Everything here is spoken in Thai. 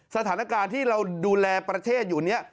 สถานการณ์ที่เราดูแลประเทศอยู่เนี่ย